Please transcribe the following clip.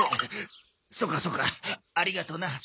そうかそうかありがとな。